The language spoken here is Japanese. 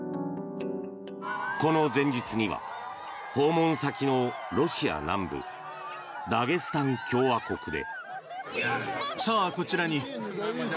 この前日には、訪問先のロシア南部ダゲスタン共和国で。